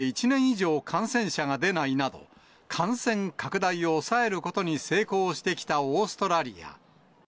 首都キャンベラで、先月まで１年以上感染者が出ないなど、感染拡大を抑えることに成功してきたオーストラリア。